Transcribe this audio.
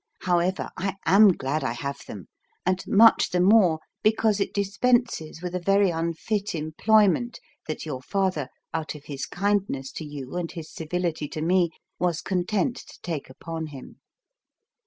However, I am glad I have them, and much the more because it dispenses with a very unfit employment that your father, out of his kindness to you and his civility to me, was content to take upon him.